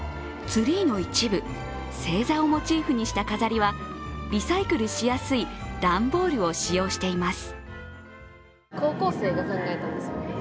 ツリーの一部、正座をモチーフにした飾りはリサイクルしやすい段ボールを使用しています。